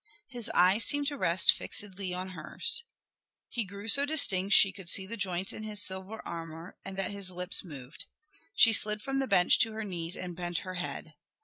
His eyes seemed to rest fixedly on hers. He grew so distinct she could see the joints in his silver armor and that his lips moved. She slid from the bench to her knees and bent her head.